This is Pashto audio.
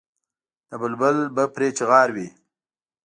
د بلبل به پرې چیغار وي.